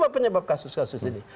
apa penyebab kasus kasus ini